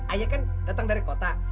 ayah kan datang dari kota